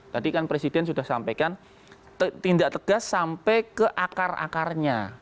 tadi kan presiden sudah sampaikan tindak tegas sampai ke akar akarnya